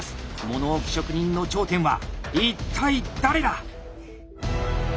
物置職人の頂点は一体誰だ！